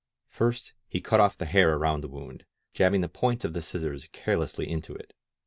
First he cut off the hair around the wound, jabbing the points of the scissors carelessly into it.